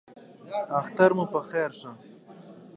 اختر مو بختور شه